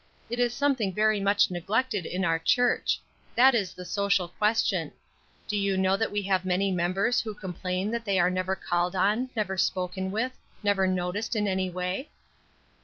"It is something very much neglected in our church that is the social question. Do you know we have many members who complain that they are never called on, never spoken with, never noticed in any way?"